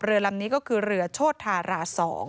เรือลำนี้ก็คือเรือโชธารา๒